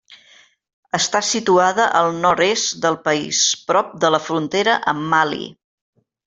Està situada al nord-est del país, prop de la frontera amb Mali.